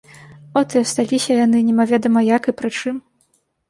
От і асталіся яны, немаведама як і пры чым.